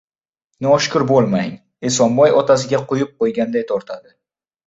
— Noshukur bo‘lmang. Esonboy otasiga quyib qo‘yganday tortadi…